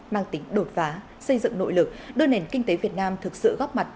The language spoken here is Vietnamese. mang tính đột phá xây dựng nội lực đưa nền kinh tế việt nam thực sự góp mặt